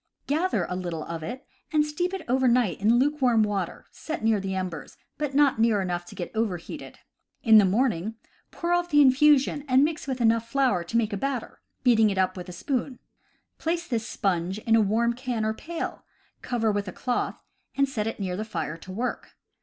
Gather a little of it and steep it over night in lukewarm water, set near the embers, but not near enough to get overheated. In the morning, pour off the infusion and mix it with enough flour to make a batter, beating it up with a spoon. Place this "sponge" in a warm can or pail, cover with a cloth, and set it near the fire to work.